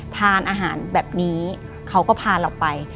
ทานอาหารแบบนี้เขาก็พาเราไป